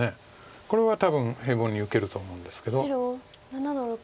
これは多分平凡に受けると思うんですけど。